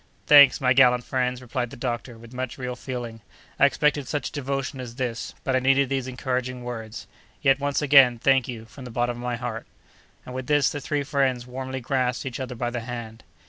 "Thanks, my gallant friends!" replied the doctor, with much real feeling, "I expected such devotion as this; but I needed these encouraging words. Yet, once again, thank you, from the bottom of my heart!" And, with this, the three friends warmly grasped each other by the hand.